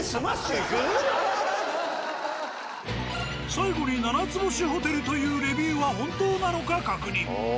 最後に７つ星ホテルというレビューは本当なのか確認。